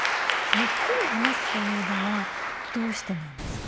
ゆっくり話すというのはどうしてなんですか？